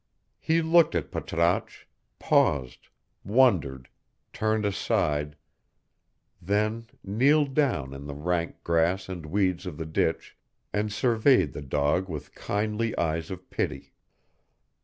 He looked at Patrasche, paused, wondered, turned aside, then kneeled down in the rank grass and weeds of the ditch, and surveyed the dog with kindly eyes of pity.